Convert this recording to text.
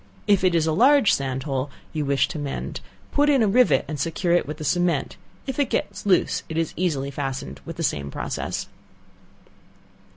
If it is a large sand hole you wish to mend, put in a rivet and secure it with the cement, if it gets loose it is easily fastened by the same process.